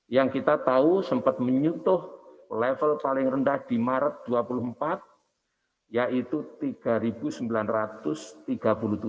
yang kita tahu sempat menyentuh level paling rendah di maret dua puluh empat yaitu rp tiga sembilan ratus tiga puluh tujuh